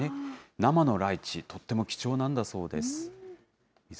生のライチ、とっても貴重なんだそうです。